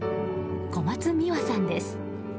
小松美羽さんです。